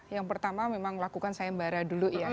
yang pertama memang lakukan sayembara dulu ya